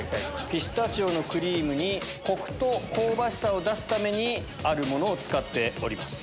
ピスタチオのクリームにコクと香ばしさを出すためにあるものを使っております。